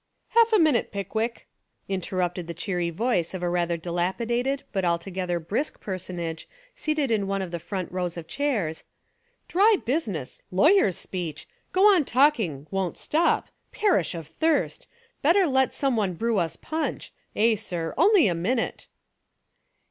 "Half a minute, Pickwick," — interrupted the cheery voice of a rather dilapidated but al together brisk personage seated in one of the front rows of chairs, "dry business — lawyer's speech — go on talking — won't stop — perish of thirst — better let some one brew us punch — eh, sir — only a minute."